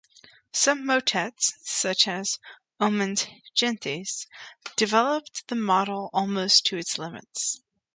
Some motets, such as "Omnes Gentes" developed the model almost to its limits.